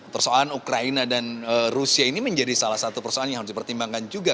persoalan ukraina dan rusia ini menjadi salah satu persoalan yang harus dipertimbangkan juga